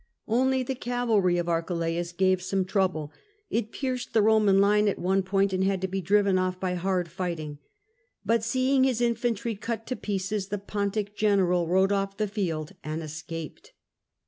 Only the cavalry of Archelaus gave some trouble; it pierced the Eoman line at one point and had to be driven off by hard fighting. But, seeing his infantry cut to pieces, the Pontic general rode off the field and escaped.